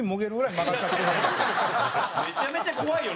山崎：めちゃめちゃ怖いよね。